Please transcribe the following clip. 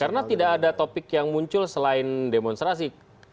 karena tidak ada topik yang muncul selain demonstrasi